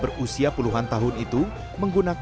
berarti saya sudah akan untuk melakukan